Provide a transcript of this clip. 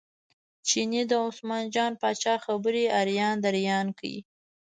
چیني د عثمان جان پاچا خبرې اریان دریان کړ.